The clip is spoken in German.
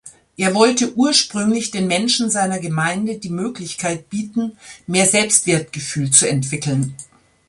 Er wollte ursprünglich den Menschen seiner Gemeinde die Möglichkeit bieten, mehr Selbstwertgefühl zu entwickeln.